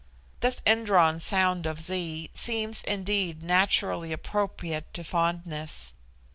This indrawn sound of Z seems indeed naturally appropriate to fondness.